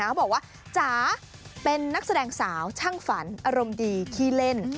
เขาบอกว่าจ๋าเป็นนักแสดงสาวช่างฝันอารมณ์ดีขี้เล่น